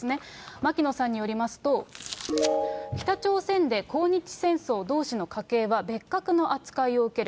牧野さんによりますと、北朝鮮で抗日戦争同志の家系は、別格の扱いを受ける。